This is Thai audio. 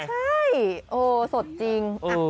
ใช่สดจริง